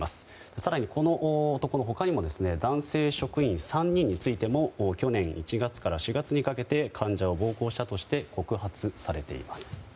更にこの男の他にも男性職員３人についても去年１月から４月にかけて患者を暴行したとして告発されています。